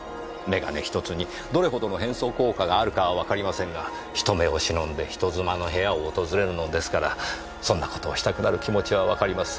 眼鏡１つにどれほどの変装効果があるかはわかりませんが人目を忍んで人妻の部屋を訪れるのですからそんな事をしたくなる気持ちはわかります。